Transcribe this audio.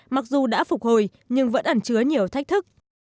mặc dù đã phục hồi nhưng vẫn ẩn chứa nhiều thách thức